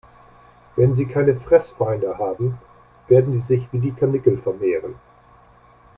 Wenn sie keine Fressfeinde haben, werden sie sich wie die Karnickel vermehren.